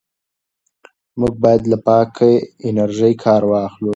موږ باید له پاکې انرژۍ کار واخلو.